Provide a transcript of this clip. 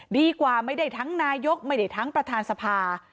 ดีกว่าไม่ได้ทั้งนายกไม่ได้ทั้งประธานสภา